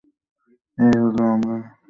এই হলো আমরা।